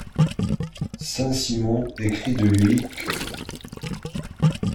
Saint Simon écrit de lui qu’.